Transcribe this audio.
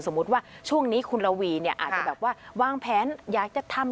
ว่าช่วงนี้คุณละวีเนี่ยอาจจะแบบว่าวางแผนอยากจะทำ